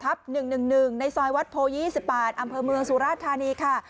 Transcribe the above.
๑๗๘ทัพ๑๑๑ในซอยวัดโผศยี่สิบบาทอำเภาเมืองสุราสตร์ธานีค่ะ